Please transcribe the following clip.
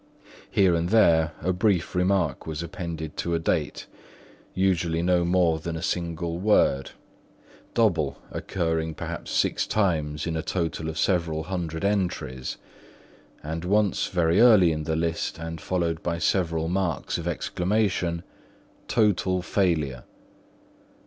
Here and there a brief remark was appended to a date, usually no more than a single word: "double" occurring perhaps six times in a total of several hundred entries; and once very early in the list and followed by several marks of exclamation, "total failure!!!"